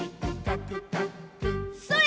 それ！